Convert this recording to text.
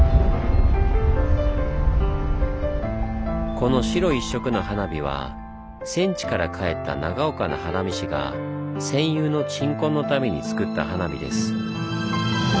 この白一色の花火は戦地から帰った長岡の花火師が戦友の鎮魂のために作った花火です。